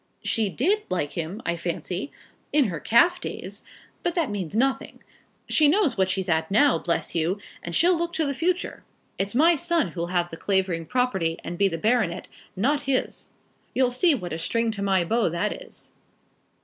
"She did like him, I fancy, in her calf days; but that means nothing. She knows what she's at now, bless you, and she'll look to the future. It's my son who'll have the Clavering property and be the baronet, not his. You see what a string to my bow that is."